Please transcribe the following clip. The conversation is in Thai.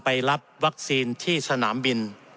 รับวัคซีนที่สนามบิน